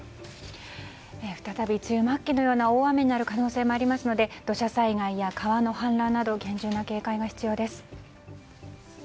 再び梅雨末期のような大雨になる可能性がありますので土砂災害や川の氾濫など厳重な警戒が必要です。